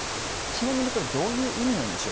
ちなみにこれどういう意味なんでしょう？